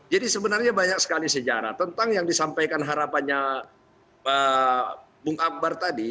sebenarnya banyak sekali sejarah tentang yang disampaikan harapannya bung akbar tadi